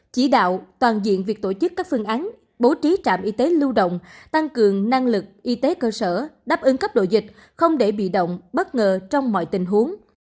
chỉ đạo toàn diện việc tổ chức các phương án bố trí trạm y tế lưu động tăng cường năng lực y tế cơ sở đáp ứng cấp độ dịch không để bị động bất ngờ trong mọi tình huống